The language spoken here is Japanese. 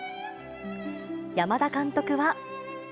山田監督は。